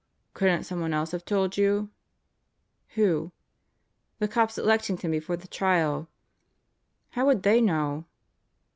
"Couldn't someone else have told you?" "Who?" "The cops at Lexington before the trial." "How would they know?"